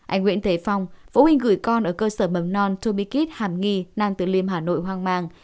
anh nguyễn thế phong phụ huynh gửi con ở cơ sở mầm non to be kids hàm nghi nam tư liêm hà nội hoang mang